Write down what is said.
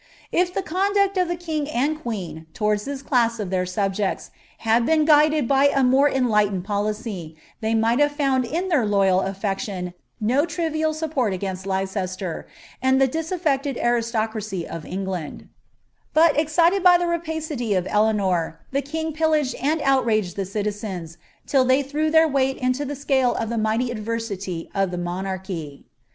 If the conduct of the king and queen, towards this class of their subjects, had been guided by a more enlightened policy, they might have found in their loyal •flection no trivial support against Leicester, and the disaffected aristo eiacy of En^nd ; but, excited by the rapacity of Eleanor, the king pil laged and outraged the citizens, till they threw their weight into the ■ale of the mighty adversary of the monarchy.